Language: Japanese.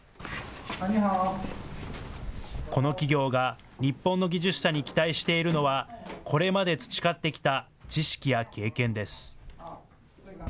この企業が日本の技術者に期待しているのは、これまで培ってきた知識や経験です。